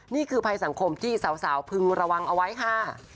นี่คือภัยสังคมที่สาวพึงระวังเอาไว้ค่ะ